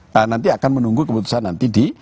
nah nanti akan menunggu keputusan nanti di